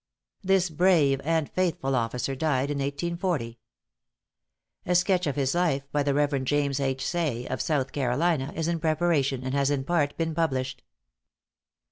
This brave and faithful officer died in 1840. A sketch of his life, by the Rev. James H. Saye, of South Carolina, is in preparation, and has in part been published.